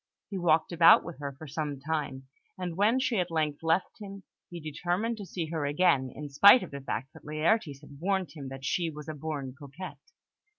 He walked about with her for some time; and when she at length left him, he determined to see her again, in spite of the fact that Laertes had warned him that she was a born coquette.